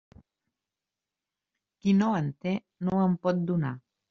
Qui no en té, no en pot donar.